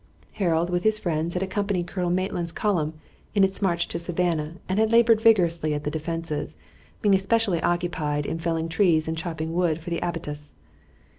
Harold with his friends had accompanied Colonel Maitland's column in its march to Savannah and had labored vigorously at the defenses, being especially occupied in felling trees and chopping wood for the abattis.